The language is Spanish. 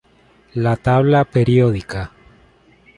La tabla periódica.